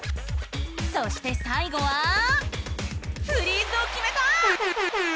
そしてさいごはフリーズをきめた！